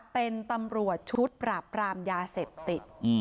เป็นตำรวจชุดปราบปรามยาเสพติด